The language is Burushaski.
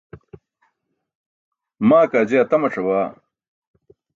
Maa kaa je atamac̣abaa.